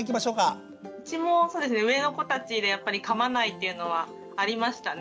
うちもそうですね上の子たちでかまないっていうのはありましたね。